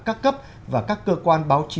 các cấp và các cơ quan báo chí